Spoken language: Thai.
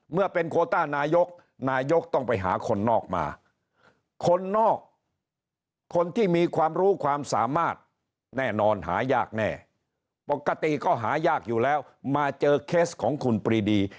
เมื่อเป็นโคต้านายกนายกต้องไปหาคนนอกมาคนนอกคนที่มีความรู้ความสามารถแน่นอนหายากแน่ปกติก็หายากอยู่แล้วมาเจอเคสของคุณปรีดี